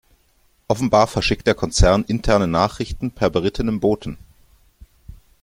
Offenbar verschickt der Konzern interne Nachrichten per berittenem Boten.